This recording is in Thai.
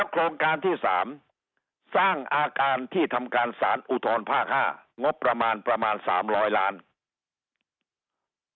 โครงการที่๓สร้างอาการที่ทำการสารอุทรภาค๕ประมาณ๓๐๐หลัง